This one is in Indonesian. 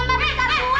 enggak ada apa apa